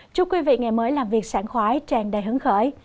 chúc quý vị ngày mới làm việc sản khoái tràn đầy hứng khởi